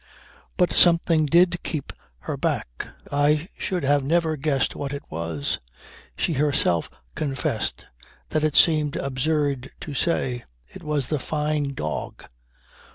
But something did keep her back. I should have never guessed what it was. She herself confessed that it seemed absurd to say. It was the Fyne dog.